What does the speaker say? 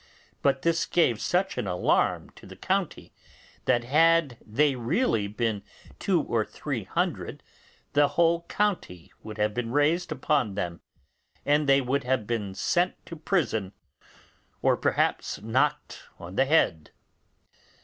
But this gave such an alarm to the county, that had they really been two or three hundred the whole county would have been raised upon them, and they would have been sent to prison, or perhaps knocked on the head.